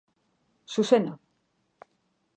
Zuzena.